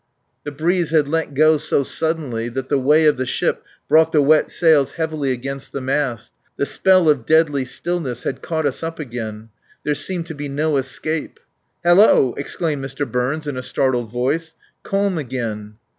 The breeze had let go so suddenly that the way of the ship brought the wet sails heavily against the mast. The spell of deadly stillness had caught us up again. There seemed to be no escape. "Hallo!" exclaimed Mr. Burns in a startled voice. "Calm again!"